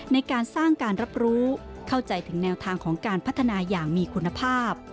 ในการสร้างการรับรู้เข้าใจถึงแนวทางของการพัฒนาอย่างมีคุณภาพ